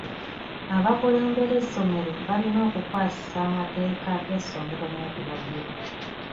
Abakulembera essomero balina okukkwasisa amateeka g'essomero n'ebigobererwa.